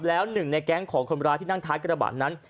แล้วหนึ่งในแก๊งของคนร้ายที่นั่งท้ายกระบะนั้น